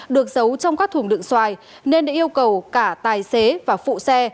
được giấu trong các thùng đựng xoài nên đã yêu cầu cả tài xế và phụ xe